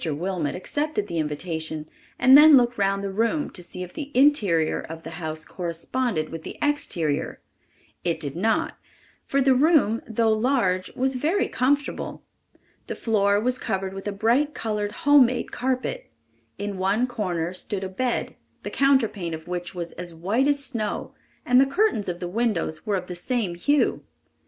Wilmot accepted the invitation and then looked round the room to see if the interior of the house corresponded with the exterior, It did not, for the room, though large, was very comfortable. The floor was covered with a bright colored home made carpet. In one corner stood a bed, the counterpane of which was as white as snow, and the curtains of the windows were of the same hue.